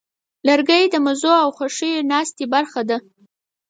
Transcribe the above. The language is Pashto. لرګی د مزو او خوښیو ناستې برخه ده.